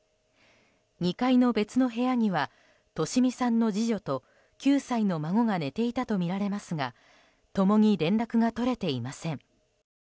２階の別の部屋には利美さんの次女と９歳の孫が寝ていたとみられますが共に連絡が取れていません。